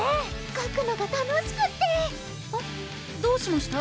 かくのが楽しくってあっどうしました？